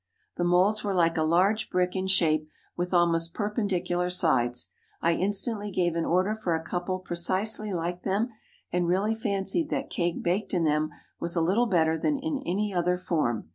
The moulds were like a large brick in shape, with almost perpendicular sides. I instantly gave an order for a couple precisely like them, and really fancied that cake baked in them was a little better than in any other form.